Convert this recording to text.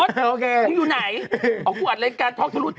นี่อยู่ไหนเอ้ากูอัดรายการท่องสรุทธ์